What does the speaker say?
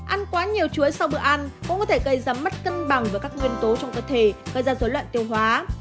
ăn quá nhiều chuối sau bữa ăn cũng có thể gây ra mất cân bằng và các nguyên tố trong cơ thể gây ra rối loạn tiêu hóa